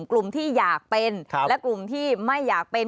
กลุ่มที่อยากเป็นและกลุ่มที่ไม่อยากเป็น